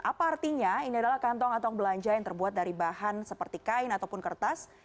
apa artinya ini adalah kantong kantong belanja yang terbuat dari bahan seperti kain ataupun kertas